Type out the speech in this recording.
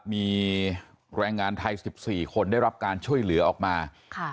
มีแรงงานไทยสิบสี่คนได้รับการช่วยเหลือออกมาค่ะ